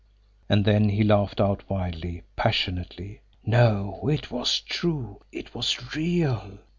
And then he laughed out wildly, passionately. No it was true, it was real!